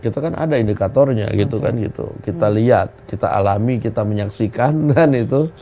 kita kan ada indikatornya gitu kan gitu kita lihat kita alami kita menyaksikan kan itu